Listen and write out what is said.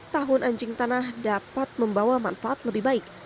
tahun anjing tanah dapat membawa manfaat lebih baik